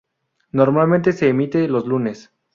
Normalmente se emite los lunes.